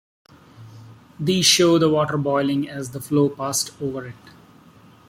These show the water boiling as the flow passed over it.